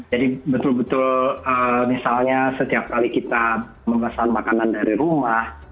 jadi betul betul misalnya setiap kali kita memesan makanan dari rumah